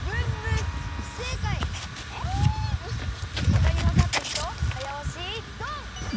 ほかにわかった人はやおしドン！